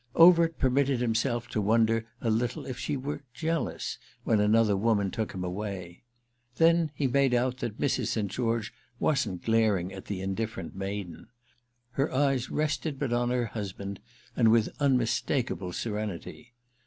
Overt permitted himself to wonder a little if she were jealous when another woman took him away. Then he made out that Mrs. St. George wasn't glaring at the indifferent maiden. Her eyes rested but on her husband, and with unmistakeable serenity.